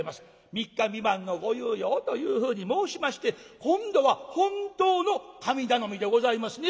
「３日３晩のご猶予を」というふうに申しまして今度は本当の神頼みでございますね。